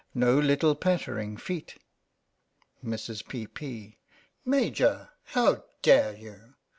No little pattering feet. Mrs, P P. : Major ! How dare you